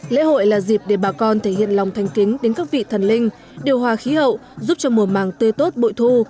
lễ hội là dịp để bà con thể hiện lòng thành kính đến các vị thần linh điều hòa khí hậu giúp cho mùa màng tươi tốt bội thu